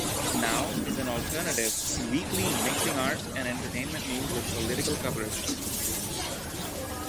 "Now" is an alternative weekly mixing arts and entertainment news with political coverage.